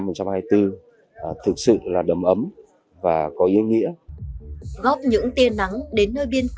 mà còn thắt sáng lên ngọn đường hy vọng